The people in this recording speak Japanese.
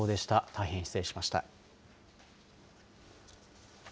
大変失礼しました。